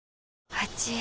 あちぃ。